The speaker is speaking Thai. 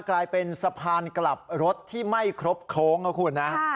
กลายเป็นสะพานกลับรถที่ไม่ครบโค้งนะคุณนะ